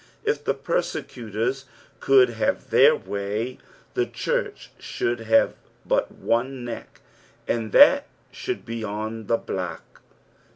If persecutors could hare their way, the church should have but one neck, and that should be on the block.